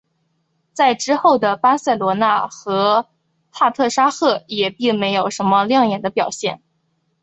在之后的巴塞罗那和帕特沙赫也并没有什么亮眼的表现。